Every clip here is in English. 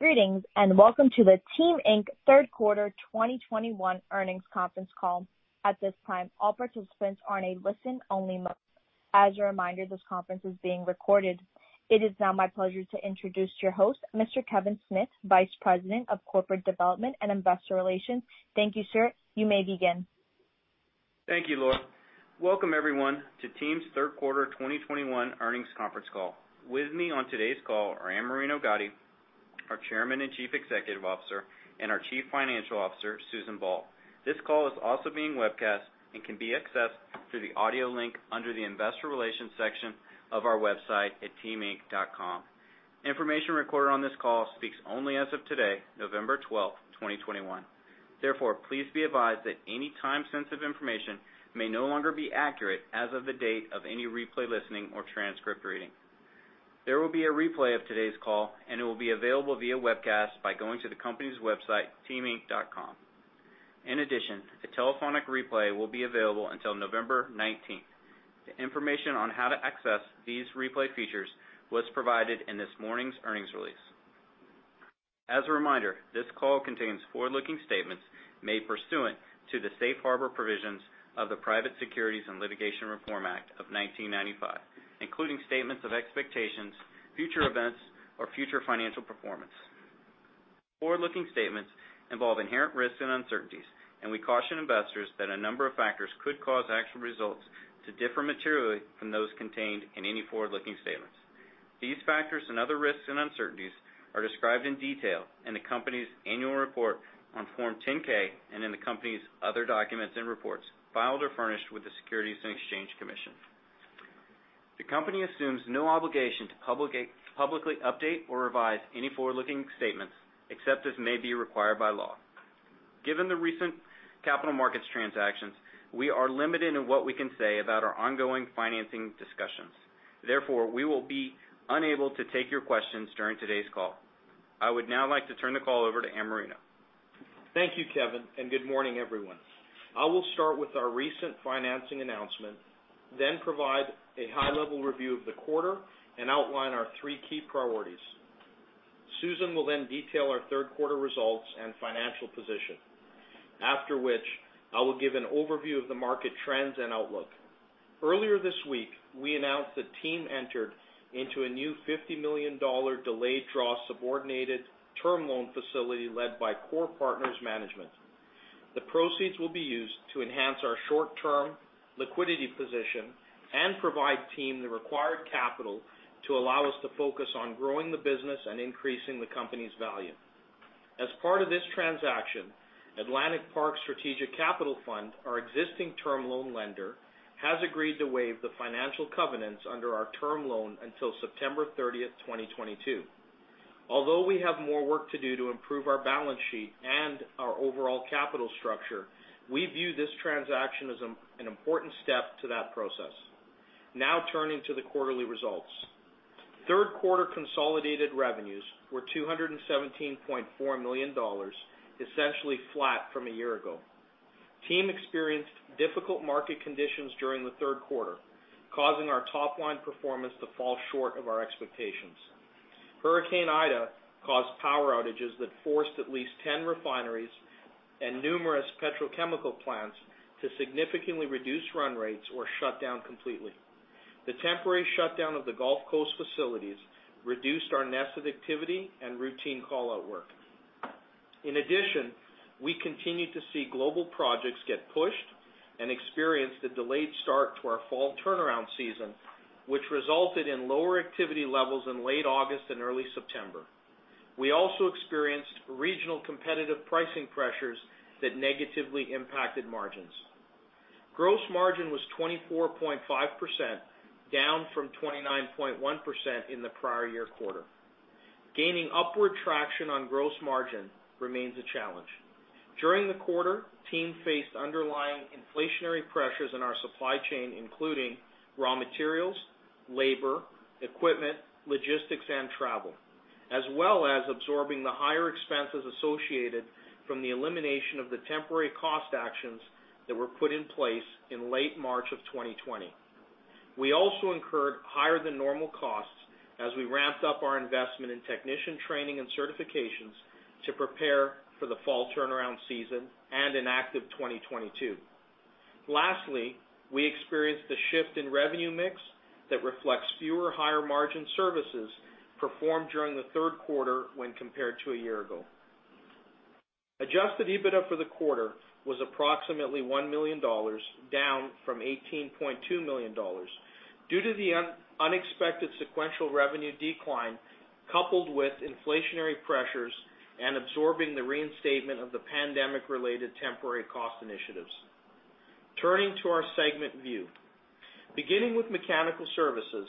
Greetings, and welcome to the Team, Inc. third quarter 2021 earnings conference call. At this time, all participants are in a listen-only mode. As a reminder, this conference is being recorded. It is now my pleasure to introduce your host, Mr. Kevin Smith, Vice President of Corporate Development and Investor Relations. Thank you, sir. You may begin. Thank you, Laura. Welcome, everyone, to Team's third quarter 2021 earnings conference call. With me on today's call are Amerino Gatti, our Chairman and Chief Executive Officer, and our Chief Financial Officer, Susan Ball. This call is also being webcast and can be accessed through the audio link under the Investor Relations section of our website at teaminc.com. Information recorded on this call speaks only as of today, November 12, 2021. Therefore, please be advised that any time-sensitive information may no longer be accurate as of the date of any replay listening or transcript reading. There will be a replay of today's call and it will be available via webcast by going to the company's website, teaminc.com. In addition, a telephonic replay will be available until November 19. The information on how to access these replay features was provided in this morning's earnings release. As a reminder, this call contains forward-looking statements made pursuant to the safe harbor provisions of the Private Securities Litigation Reform Act of 1995, including statements of expectations, future events, or future financial performance. Forward-looking statements involve inherent risks and uncertainties, and we caution investors that a number of factors could cause actual results to differ materially from those contained in any forward-looking statements. These factors and other risks and uncertainties are described in detail in the company's annual report on Form 10-K and in the company's other documents and reports filed or furnished with the Securities and Exchange Commission. The company assumes no obligation to publicly update or revise any forward-looking statements, except as may be required by law. Given the recent capital markets transactions, we are limited in what we can say about our ongoing financing discussions. Therefore, we will be unable to take your questions during today's call. I would now like to turn the call over to Amerino. Thank you, Kevin, and good morning, everyone. I will start with our recent financing announcement, then provide a high-level review of the quarter and outline our three key priorities. Susan will then detail our third quarter results and financial position, after which I will give an overview of the market trends and outlook. Earlier this week, we announced that Team entered into a new $50 million delayed draw subordinated term loan facility led by Corre Partners Management. The proceeds will be used to enhance our short-term liquidity position and provide Team the required capital to allow us to focus on growing the business and increasing the company's value. As part of this transaction, Atlantic Park Strategic Capital Fund, our existing term loan lender, has agreed to waive the financial covenants under our term loan until September 30, 2022. Although we have more work to do to improve our balance sheet and our overall capital structure, we view this transaction as an important step to that process. Now, turning to the quarterly results. Third quarter consolidated revenues were $217.4 million, essentially flat from a year ago. Team experienced difficult market conditions during the third quarter, causing our top line performance to fall short of our expectations. Hurricane Ida caused power outages that forced at least 10 refineries and numerous petrochemical plants to significantly reduce run rates or shut down completely. The temporary shutdown of the Gulf Coast facilities reduced our nest activity and routine call-out work. In addition, we continued to see global projects get pushed and experienced a delayed start to our fall turnaround season, which resulted in lower activity levels in late August and early September. We also experienced regional competitive pricing pressures that negatively impacted margins. Gross margin was 24.5%, down from 29.1% in the prior year quarter. Gaining upward traction on gross margin remains a challenge. During the quarter, Team faced underlying inflationary pressures in our supply chain, including raw materials, labor, equipment, logistics, and travel, as well as absorbing the higher expenses associated from the elimination of the temporary cost actions that were put in place in late March of 2020. We also incurred higher than normal costs as we ramped up our investment in technician training and certifications to prepare for the fall turnaround season and an active 2022. Lastly, we experienced a shift in revenue mix that reflects fewer higher margin services performed during the third quarter when compared to a year ago. Adjusted EBITDA for the quarter was approximately $1 million, down from $18.2 million due to the unexpected sequential revenue decline, coupled with inflationary pressures and absorbing the reinstatement of the pandemic-related temporary cost initiatives. Turning to our segment view. Beginning with mechanical services,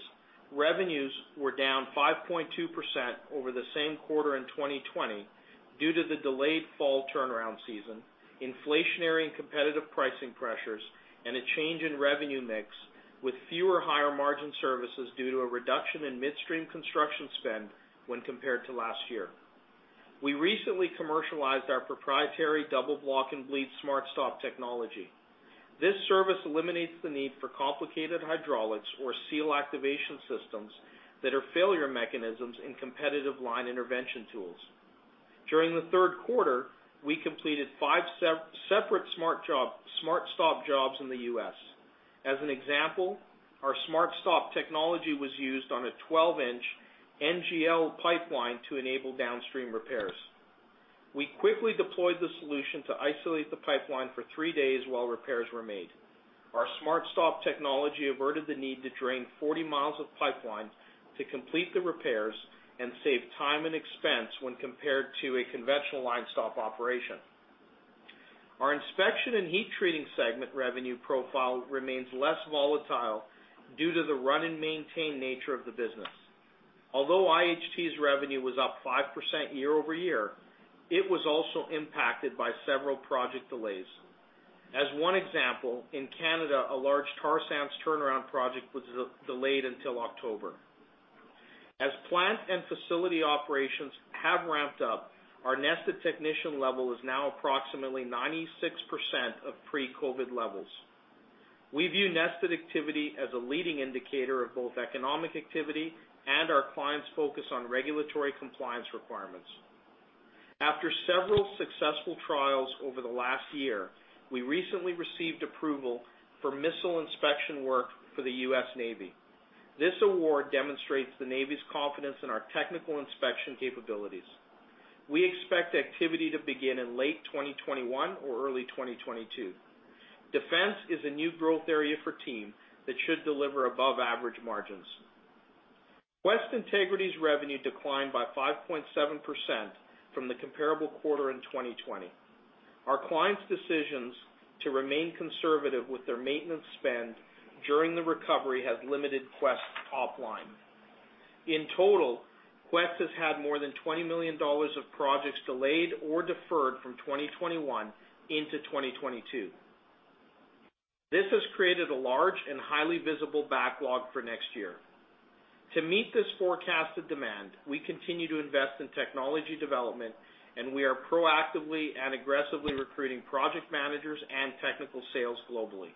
revenues were down 5.2% over the same quarter in 2020 due to the delayed fall turnaround season, inflationary and competitive pricing pressures, and a change in revenue mix with fewer higher margin services due to a reduction in midstream construction spend when compared to last year. We recently commercialized our proprietary double block and bleed SmartStop technology. This service eliminates the need for complicated hydraulics or seal activation systems that are failure mechanisms in competitive line intervention tools. During the third quarter, we completed 5 separate SmartStop jobs in the U.S. As an example, our SmartStop technology was used on a 12-inch NGL pipeline to enable downstream repairs. We quickly deployed the solution to isolate the pipeline for 3 days while repairs were made. Our SmartStop technology averted the need to drain 40 miles of pipeline to complete the repairs and save time and expense when compared to a conventional line stop operation. Our Inspection and Heat Treating segment revenue profile remains less volatile due to the run-and-maintain nature of the business. Although IHT's revenue was up 5% year-over-year, it was also impacted by several project delays. As one example, in Canada, a large tar sands turnaround project was delayed until October. As plant and facility operations have ramped up, our nested technician level is now approximately 96% of pre-COVID levels. We view NDT activity as a leading indicator of both economic activity and our clients' focus on regulatory compliance requirements. After several successful trials over the last year, we recently received approval for missile inspection work for the U.S. Navy. This award demonstrates the Navy's confidence in our technical inspection capabilities. We expect activity to begin in late 2021 or early 2022. Defense is a new growth area for Team that should deliver above-average margins. Quest Integrity's revenue declined by 5.7% from the comparable quarter in 2020. Our clients' decisions to remain conservative with their maintenance spend during the recovery has limited Quest's top line. In total, Quest has had more than $20 million of projects delayed or deferred from 2021 into 2022. This has created a large and highly visible backlog for next year. To meet this forecasted demand, we continue to invest in technology development, and we are proactively and aggressively recruiting project managers and technical sales globally.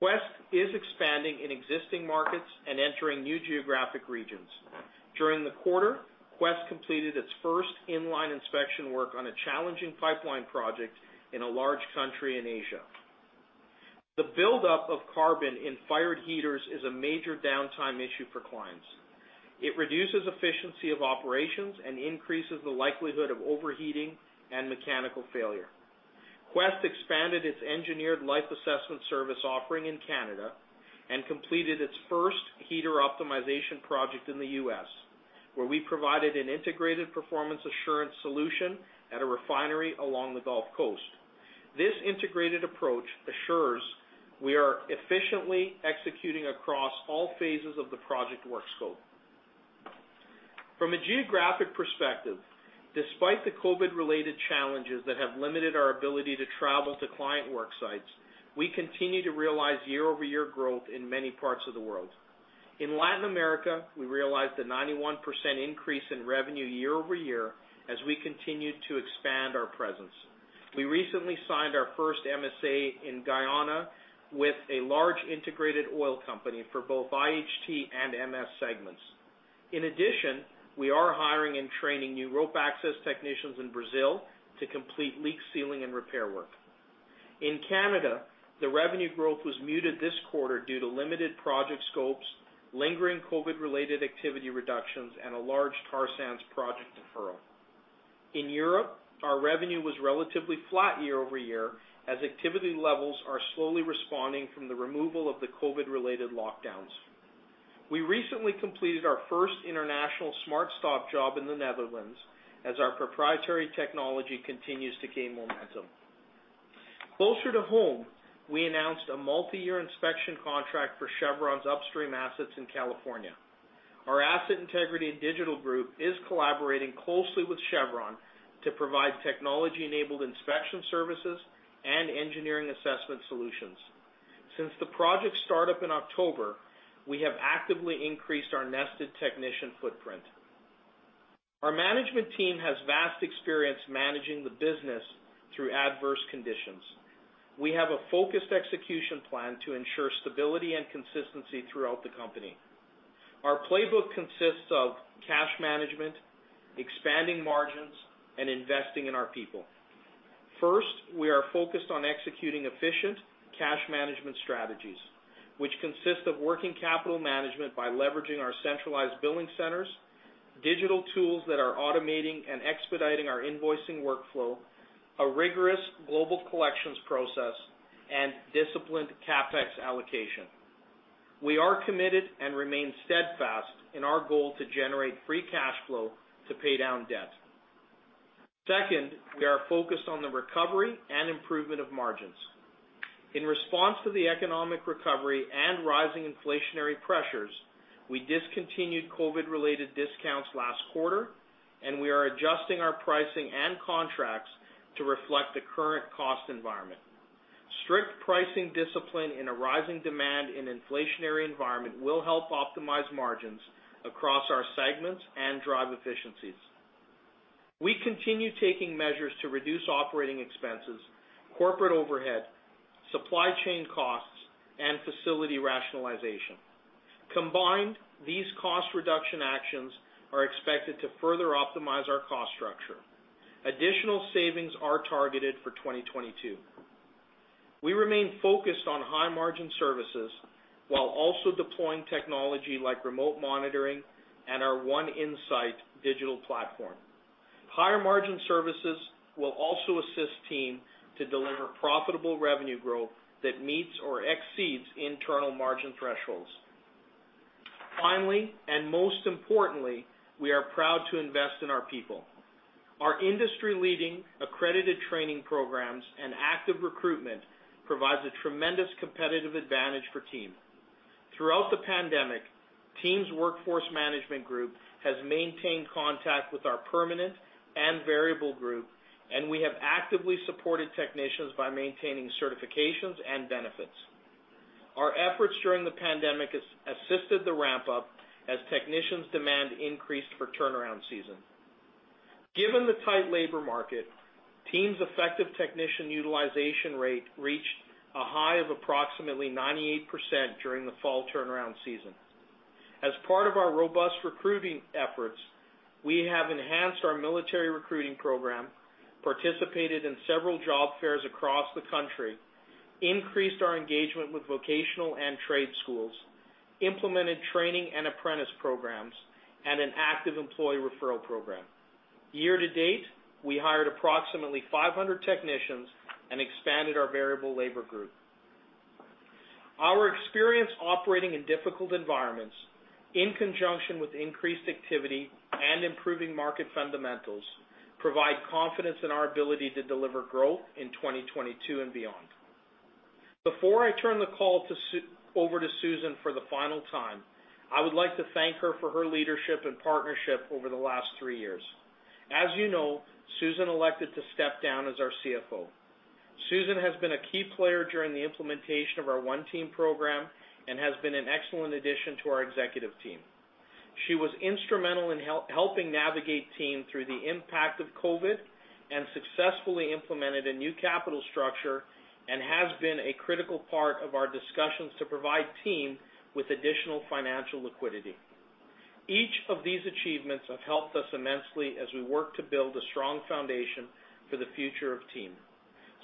Quest is expanding in existing markets and entering new geographic regions. During the quarter, Quest completed its first in-line inspection work on a challenging pipeline project in a large country in Asia. The buildup of carbon in fired heaters is a major downtime issue for clients. It reduces efficiency of operations and increases the likelihood of overheating and mechanical failure. Quest expanded its engineered life assessment service offering in Canada and completed its first heater optimization project in the U.S., where we provided an integrated performance assurance solution at a refinery along the Gulf Coast. This integrated approach assures we are efficiently executing across all phases of the project work scope. From a geographic perspective, despite the COVID-related challenges that have limited our ability to travel to client work sites, we continue to realize year-over-year growth in many parts of the world. In Latin America, we realized a 91% increase in revenue year-over-year as we continued to expand our presence. We recently signed our first MSA in Guyana with a large integrated oil company for both IHT and MS segments. In addition, we are hiring and training new rope access technicians in Brazil to complete leak sealing and repair work. In Canada, the revenue growth was muted this quarter due to limited project scopes, lingering COVID-related activity reductions, and a large tar sands project deferral. In Europe, our revenue was relatively flat year-over-year as activity levels are slowly responding from the removal of the COVID-related lockdowns. We recently completed our first international SmartStop job in the Netherlands as our proprietary technology continues to gain momentum. Closer to home, we announced a multiyear inspection contract for Chevron's upstream assets in California. Our asset integrity and digital group is collaborating closely with Chevron to provide technology-enabled inspection services and engineering assessment solutions. Since the project startup in October, we have actively increased our nested technician footprint. Our management team has vast experience managing the business through adverse conditions. We have a focused execution plan to ensure stability and consistency throughout the company. Our playbook consists of cash management, expanding margins, and investing in our people. First, we are focused on executing efficient cash management strategies, which consist of working capital management by leveraging our centralized billing centers, digital tools that are automating and expediting our invoicing workflow, a rigorous global collections process, and disciplined CapEx allocation. We are committed and remain steadfast in our goal to generate free cash flow to pay down debt. Second, we are focused on the recovery and improvement of margins. In response to the economic recovery and rising inflationary pressures, we discontinued COVID-related discounts last quarter, and we are adjusting our pricing and contracts to reflect the current cost environment. Strict pricing discipline in a rising demand in an inflationary environment will help optimize margins across our segments and drive efficiencies. We continue taking measures to reduce operating expenses, corporate overhead, supply chain costs, and facility rationalization. Combined, these cost reduction actions are expected to further optimize our cost structure. Additional savings are targeted for 2022. We remain focused on high-margin services while also deploying technology like remote monitoring and our OneInsight digital platform. Higher margin services will also assist Team to deliver profitable revenue growth that meets or exceeds internal margin thresholds. Finally, and most importantly, we are proud to invest in our people. Our industry-leading accredited training programs and active recruitment provides a tremendous competitive advantage for Team. Throughout the pandemic, Team's workforce management group has maintained contact with our permanent and variable group, and we have actively supported technicians by maintaining certifications and benefits. Our efforts during the pandemic has assisted the ramp-up as technicians demand increased for turnaround season. Given the tight labor market, Team's effective technician utilization rate reached a high of approximately 98% during the fall turnaround season. As part of our robust recruiting efforts, we have enhanced our military recruiting program, participated in several job fairs across the country, increased our engagement with vocational and trade schools, implemented training and apprentice programs, and an active employee referral program. Year to date, we hired approximately 500 technicians and expanded our variable labor group. Our experience operating in difficult environments in conjunction with increased activity and improving market fundamentals provide confidence in our ability to deliver growth in 2022 and beyond. Before I turn the call over to Susan for the final time, I would like to thank her for her leadership and partnership over the last three years. As you know, Susan elected to step down as our CFO. Susan has been a key player during the implementation of our One TEAM program and has been an excellent addition to our executive team. She was instrumental in helping navigate Team through the impact of COVID, and successfully implemented a new capital structure, and has been a critical part of our discussions to provide Team with additional financial liquidity. Each of these achievements have helped us immensely as we work to build a strong foundation for the future of Team.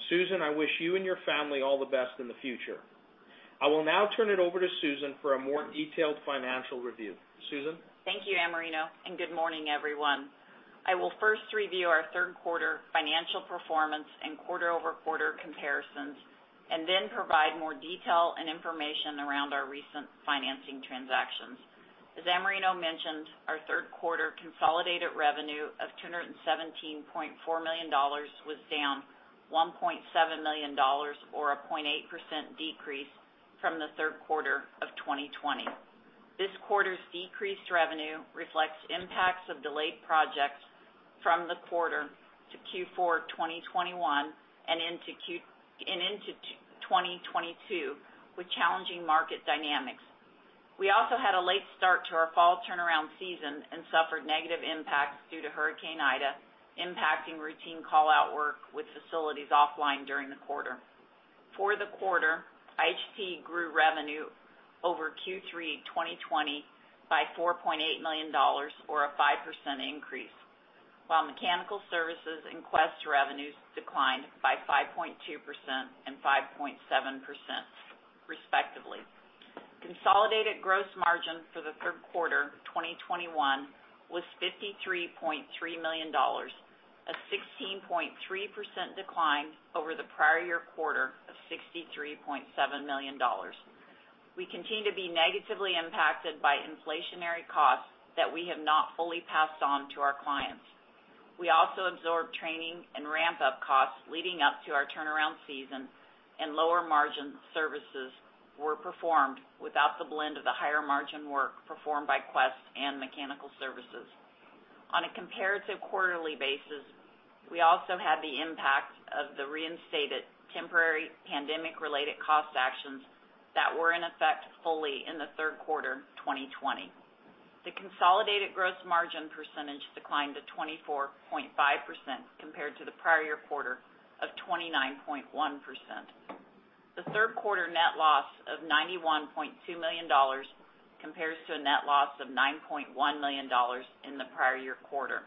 Susan, I wish you and your family all the best in the future. I will now turn it over to Susan for a more detailed financial review. Susan? Thank you, Amerino, and good morning, everyone. I will first review our third quarter financial performance and quarter-over-quarter comparisons, and then provide more detail and information around our recent financing transactions. As Amerino mentioned, our third quarter consolidated revenue of $217.4 million was down $1.7 million or 0.8% decrease from the third quarter of 2020. This quarter's decreased revenue reflects impacts of delayed projects from the quarter to Q4 2021 and into 2022 with challenging market dynamics. We also had a late start to our fall turnaround season and suffered negative impacts due to Hurricane Ida impacting routine call-out work with facilities offline during the quarter. For the quarter, IHT grew revenue over Q3 2020 by $4.8 million or a 5% increase, while mechanical services and Quest revenues declined by 5.2% and 5.7%, respectively. Consolidated gross margin for the third quarter 2021 was $53.3 million, a 16.3% decline over the prior year quarter of $63.7 million. We continue to be negatively impacted by inflationary costs that we have not fully passed on to our clients. We also absorbed training and ramp-up costs leading up to our turnaround season, and lower margin services were performed without the blend of the higher margin work performed by Quest and mechanical services. On a comparative quarterly basis, we also had the impact of the reinstated temporary pandemic-related cost actions that were in effect fully in the third quarter of 2020. The consolidated gross margin percentage declined to 24.5% compared to the prior year quarter of 29.1%. The third quarter net loss of $91.2 million compares to a net loss of $9.1 million in the prior year quarter.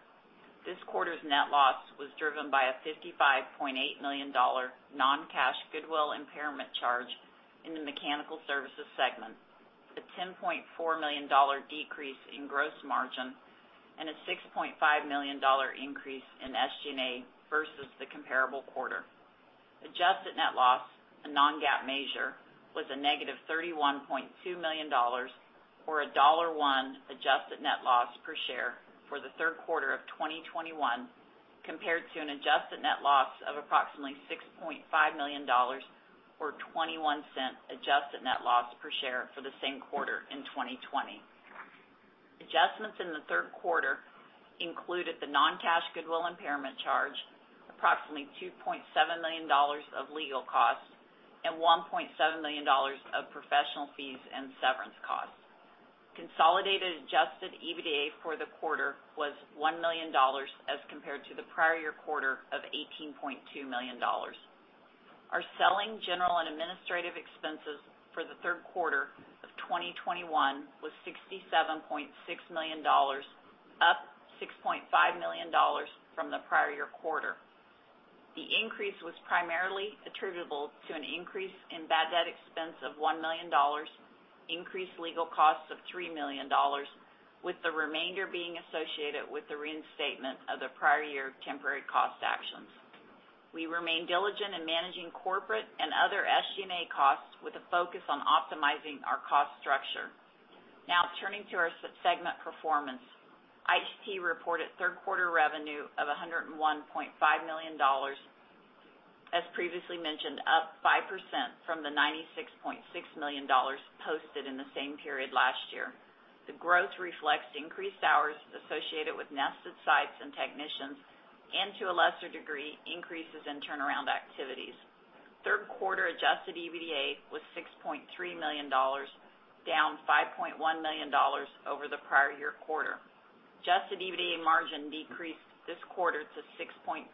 This quarter's net loss was driven by a $55.8 million non-cash goodwill impairment charge in the mechanical services segment, a $10.4 million decrease in gross margin, and a $6.5 million increase in SG&A versus the comparable quarter. Adjusted net loss, a non-GAAP measure, was a negative $31.2 million or a $1.01 adjusted net loss per share for the third quarter of 2021 compared to an adjusted net loss of approximately $6.5 million or 21-cent adjusted net loss per share for the same quarter in 2020. Adjustments in the third quarter included the non-cash goodwill impairment charge, approximately $2.7 million of legal costs, and $1.7 million of professional fees and severance costs. Consolidated adjusted EBITDA for the quarter was $1 million as compared to the prior year quarter of $18.2 million. Our selling, general, and administrative expenses for the third quarter of 2021 was $67.6 million, up $6.5 million from the prior year quarter. The increase was primarily attributable to an increase in bad debt expense of $1 million, increased legal costs of $3 million, with the remainder being associated with the reinstatement of the prior year temporary cost actions. We remain diligent in managing corporate and other SG&A costs with a focus on optimizing our cost structure. Now turning to our segment performance. IHT reported third quarter revenue of $101.5 million, as previously mentioned, up 5% from the $96.6 million posted in the same period last year. The growth reflects increased hours associated with NDT sites and technicians, and to a lesser degree, increases in turnaround activities. Third quarter adjusted EBITDA was $6.3 million, down $5.1 million over the prior year quarter. Adjusted EBITDA margin decreased this quarter to 6.2%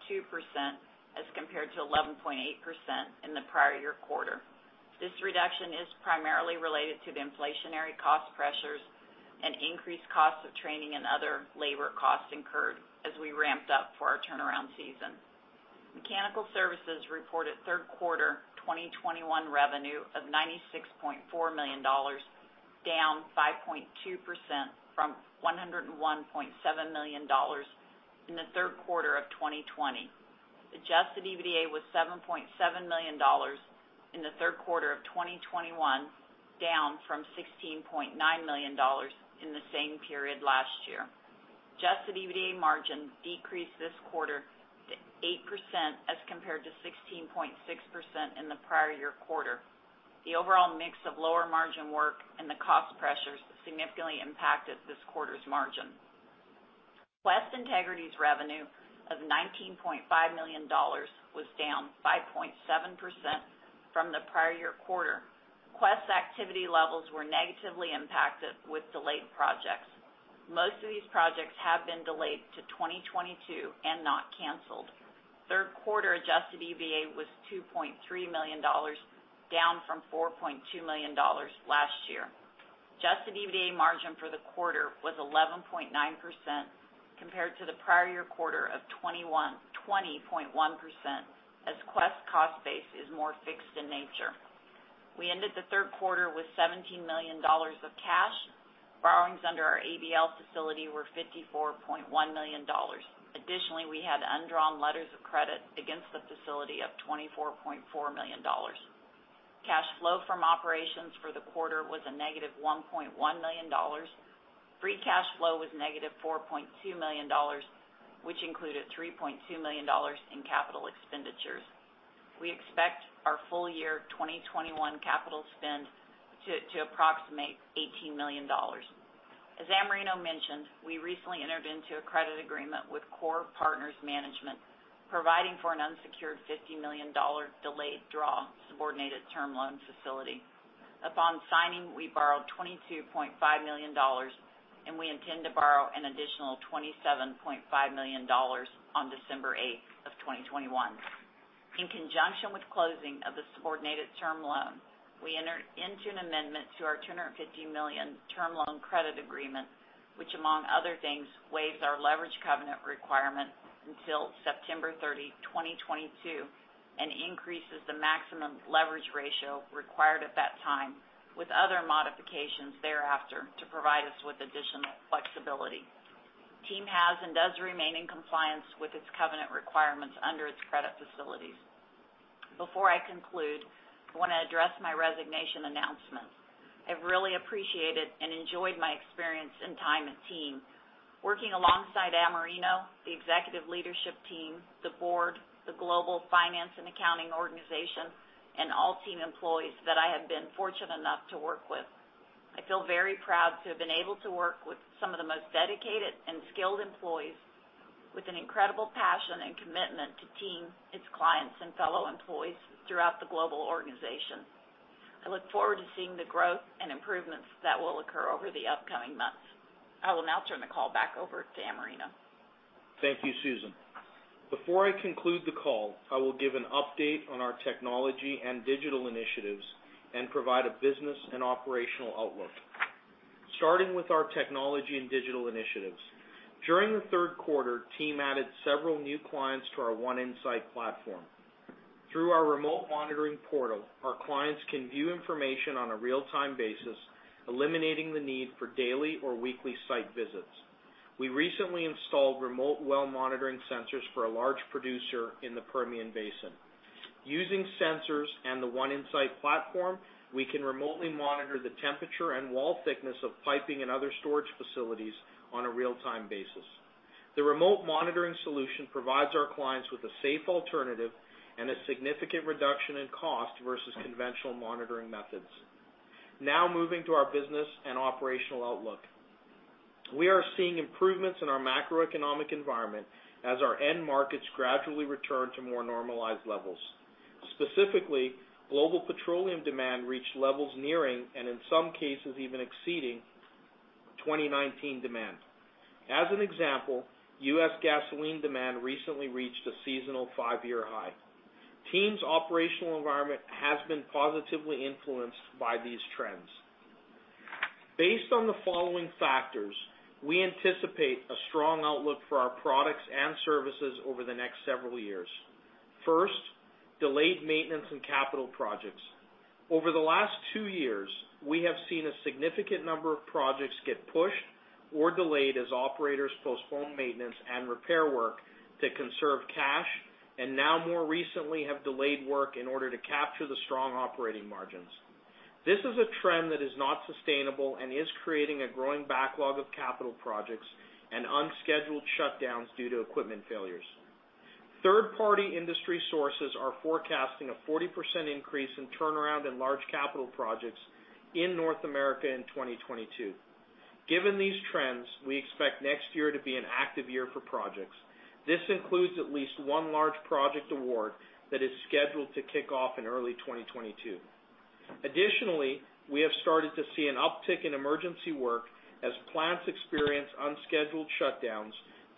as compared to 11.8% in the prior year quarter. This reduction is primarily related to the inflationary cost pressures and increased costs of training and other labor costs incurred as we ramped up for our turnaround season. Mechanical Services reported third quarter 2021 revenue of $96.4 million, down 5.2% from $101.7 million in the third quarter of 2020. Adjusted EBITDA was $7.7 million in the third quarter of 2021, down from $16.9 million in the same period last year. Adjusted EBITDA margin decreased this quarter to 8% as compared to 16.6% in the prior year quarter. The overall mix of lower margin work and the cost pressures significantly impacted this quarter's margin. Quest Integrity's revenue of $19.5 million was down 5.7% from the prior year quarter. Quest activity levels were negatively impacted with delayed projects. Most of these projects have been delayed to 2022 and not canceled. Third quarter adjusted EBITDA was $2.3 million, down from $4.2 million last year. Adjusted EBITDA margin for the quarter was 11.9% compared to the prior year quarter of 20.1% as Quest cost base is more fixed in nature. We ended the third quarter with $17 million of cash. Borrowings under our ABL facility were $54.1 million. Additionally, we had undrawn letters of credit against the facility of $24.4 million. Cash flow from operations for the quarter was a negative $1.1 million. Free cash flow was negative $4.2 million, which included $3.2 million in capital expenditures. We expect our full year 2021 capital spend to approximate $18 million. As Amerino mentioned, we recently entered into a credit agreement with Corre Partners Management, providing for an unsecured $50 million delayed draw subordinated term loan facility. Upon signing, we borrowed $22.5 million, and we intend to borrow an additional $27.5 million on December 8, 2021. In conjunction with closing of the subordinated term loan, we entered into an amendment to our $250 million term loan credit agreement, which among other things, waives our leverage covenant requirement until September 30, 2022, and increases the maximum leverage ratio required at that time with other modifications thereafter to provide us with additional flexibility. Team has and does remain in compliance with its covenant requirements under its credit facilities. Before I conclude, I wanna address my resignation announcement. I've really appreciated and enjoyed my experience and time at Team. Working alongside Amerino, the executive leadership team, the board, the global finance and accounting organization, and all Team employees that I have been fortunate enough to work with, I feel very proud to have been able to work with some of the most dedicated and skilled employees with an incredible passion and commitment to Team, its clients, and fellow employees throughout the global organization. I look forward to seeing the growth and improvements that will occur over the upcoming months. I will now turn the call back over to Amerino. Thank you, Susan. Before I conclude the call, I will give an update on our technology and digital initiatives and provide a business and operational outlook. Starting with our technology and digital initiatives, during the third quarter, Team added several new clients to our One Insight platform. Through our remote monitoring portal, our clients can view information on a real-time basis, eliminating the need for daily or weekly site visits. We recently installed remote well monitoring sensors for a large producer in the Permian Basin. Using sensors and the One Insight platform, we can remotely monitor the temperature and wall thickness of piping and other storage facilities on a real-time basis. The remote monitoring solution provides our clients with a safe alternative and a significant reduction in cost versus conventional monitoring methods. Now moving to our business and operational outlook. We are seeing improvements in our macroeconomic environment as our end markets gradually return to more normalized levels. Specifically, global petroleum demand reached levels nearing, and in some cases, even exceeding 2019 demand. As an example, U.S. gasoline demand recently reached a seasonal five-year high. Team's operational environment has been positively influenced by these trends. Based on the following factors, we anticipate a strong outlook for our products and services over the next several years. First, delayed maintenance and capital projects. Over the last two years, we have seen a significant number of projects get pushed or delayed as operators postpone maintenance and repair work to conserve cash, and now more recently, have delayed work in order to capture the strong operating margins. This is a trend that is not sustainable and is creating a growing backlog of capital projects and unscheduled shutdowns due to equipment failures. Third-party industry sources are forecasting a 40% increase in turnaround in large capital projects in North America in 2022. Given these trends, we expect next year to be an active year for projects. This includes at least one large project award that is scheduled to kick off in early 2022. Additionally, we have started to see an uptick in emergency work as plants experience unscheduled shutdowns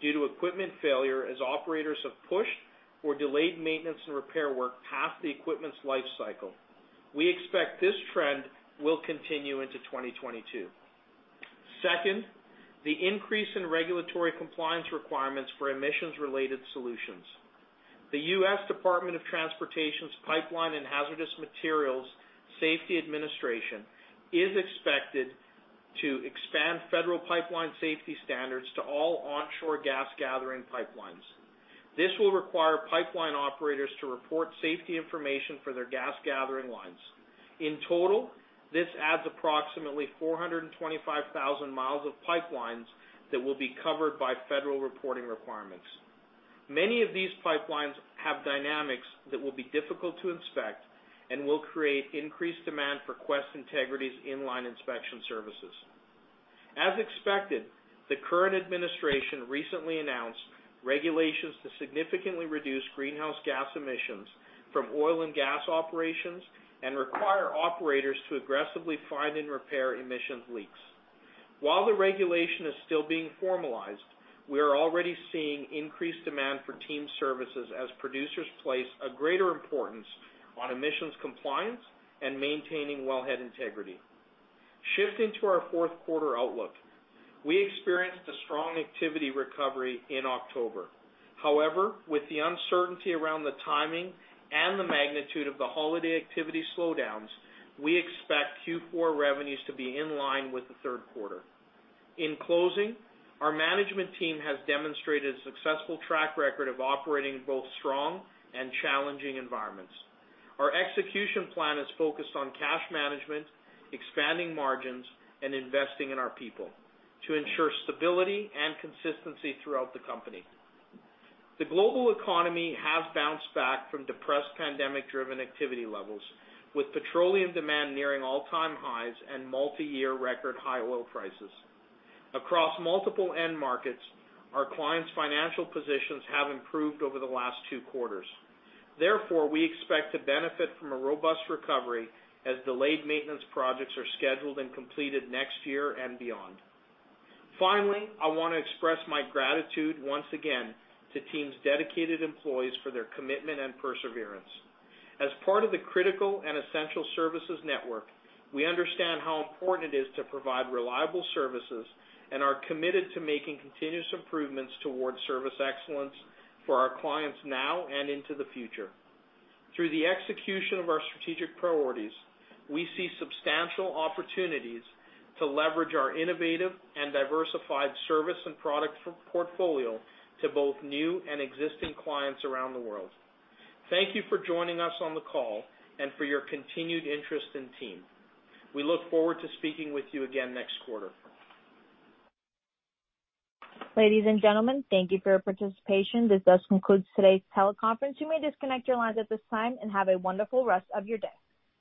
due to equipment failure, as operators have pushed or delayed maintenance and repair work past the equipment's life cycle. We expect this trend will continue into 2022. Second, the increase in regulatory compliance requirements for emissions-related solutions. The U.S. Department of Transportation's Pipeline and Hazardous Materials Safety Administration is expected to expand federal pipeline safety standards to all onshore gas gathering pipelines. This will require pipeline operators to report safety information for their gas gathering lines. In total, this adds approximately 425,000 miles of pipelines that will be covered by federal reporting requirements. Many of these pipelines have dynamics that will be difficult to inspect and will create increased demand for Quest Integrity's in-line inspection services. As expected, the current administration recently announced regulations to significantly reduce greenhouse gas emissions from oil and gas operations and require operators to aggressively find and repair emissions leaks. While the regulation is still being formalized, we are already seeing increased demand for Team services as producers place a greater importance on emissions compliance and maintaining well head integrity. Shifting to our fourth quarter outlook, we experienced a strong activity recovery in October. However, with the uncertainty around the timing and the magnitude of the holiday activity slowdowns, we expect Q4 revenues to be in line with the third quarter. In closing, our management team has demonstrated a successful track record of operating in both strong and challenging environments. Our execution plan is focused on cash management, expanding margins, and investing in our people to ensure stability and consistency throughout the company. The global economy has bounced back from depressed pandemic-driven activity levels, with petroleum demand nearing all-time highs and multiyear record high oil prices. Across multiple end markets, our clients' financial positions have improved over the last two quarters. Therefore, we expect to benefit from a robust recovery as delayed maintenance projects are scheduled and completed next year and beyond. Finally, I wanna express my gratitude once again to Team's dedicated employees for their commitment and perseverance. As part of the critical and essential services network, we understand how important it is to provide reliable services and are committed to making continuous improvements towards service excellence for our clients now and into the future. Through the execution of our strategic priorities, we see substantial opportunities to leverage our innovative and diversified service and product portfolio to both new and existing clients around the world. Thank you for joining us on the call and for your continued interest in Team. We look forward to speaking with you again next quarter. Ladies and gentlemen, thank you for your participation. This does conclude today's teleconference. You may disconnect your lines at this time and have a wonderful rest of your day.